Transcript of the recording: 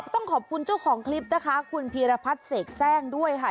ต้องขอบคุณเจ้าของคลิปนะคะคุณพีรพัฒน์เสกแทรกด้วยค่ะ